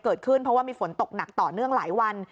เกิดขึ้นเพราะว่ามีฝนตกหนักต่อเนื่องหลายวัน